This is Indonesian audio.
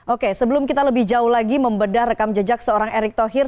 oke sebelum kita lebih jauh lagi membedah rekam jejak seorang erick thohir